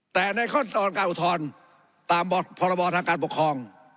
แต่ในขั้นตอนการอุทธรณ์ตามพรบทางการปกครอง